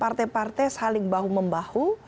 partai partai saling bahu membahu